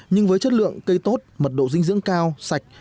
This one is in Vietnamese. nhưng với chất lượng cây tốt mật độ dinh dưỡng cao sạch